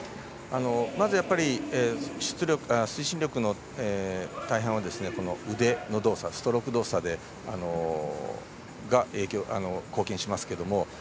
まず、推進力の大半は腕の動作、ストローク動作が貢献しますけれども。